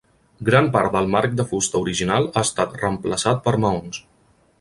Gran part del marc de fusta original ha estat reemplaçat per maons.